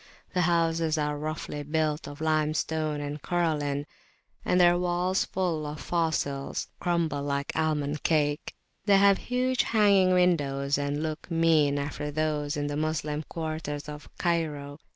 The houses are roughly built of limestone and coralline, and their walls full of fossils crumble like almond cake; they have huge [p.227] hanging windows, and look mean after those in the Moslem quarters of Cairo.